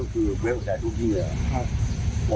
คือเวลแสทูกยิงเลยครับ